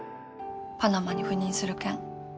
パナマに赴任する件。